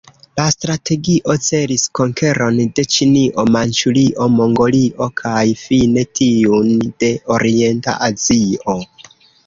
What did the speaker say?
La strategio celis konkeron de Ĉinio, Manĉurio, Mongolio kaj fine tiun de orienta Azio.